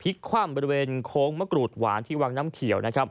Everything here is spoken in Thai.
พลิกคว่ำบนระเวนโค้งมะกรูดหวานที่วันน้ำเขี่ยว